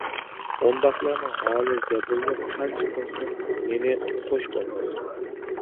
ئۇنداقلارنىڭ ھالى زەبۇنلۇق، قانچە قىلسۇن نېنى قوش بولماس.